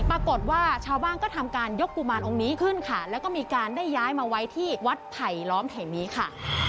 ปรากฏว่าชาวบ้านก็ทำการยกกุมารองค์นี้ขึ้นค่ะแล้วก็มีการได้ย้ายมาไว้ที่วัดไผลล้อมแห่งนี้ค่ะ